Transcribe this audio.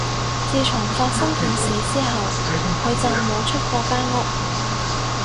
自從發生件事之後，佢就冇出過間屋